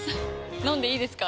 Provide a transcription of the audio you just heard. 飲んでいいですか？